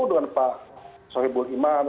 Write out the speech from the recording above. dengan pak soekarno